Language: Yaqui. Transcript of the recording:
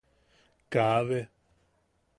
Kaabe.